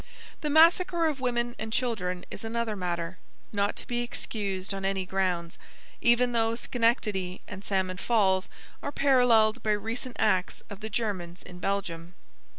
The massacre of women and children is another matter, not to be excused on any grounds, even though Schenectady and Salmon Falls are paralleled by recent acts of the Germans in Belgium.